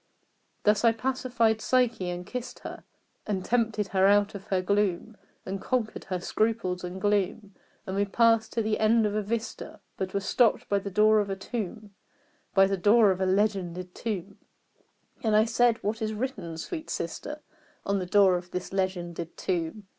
Thus I pacified Psyche and kissed her, And tempted her out of her gloom And conquered her scruples and gloom; And we passed to the end of a vista, But were stopped by the door of a tomb By the door of a legended tomb; And I said "What is written, sweet sister, On the door of this legended tomb?"